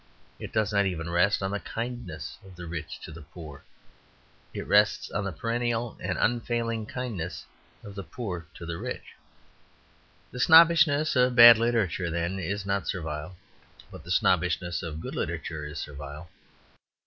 It does not even rest on the kindness of the rich to the poor. It rests on the perennial and unfailing kindness of the poor to the rich. The snobbishness of bad literature, then, is not servile; but the snobbishness of good literature is servile.